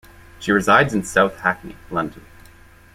She resides in South Hackney, London.